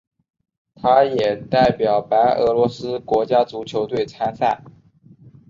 他也代表白俄罗斯国家足球队参赛。